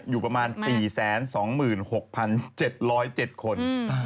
อยู่ประมาณ๔๒๖๗๐๗คน